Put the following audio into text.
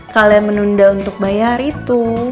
kalian menunda untuk bayar itu